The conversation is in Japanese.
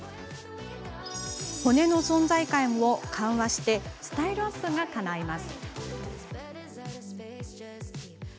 骨の存在感を緩和しスタイルアップがかないます。